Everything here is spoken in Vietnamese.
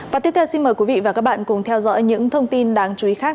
và tiếp theo xin mời quý vị và các bạn cùng theo dõi những thông tin đáng chú ý khác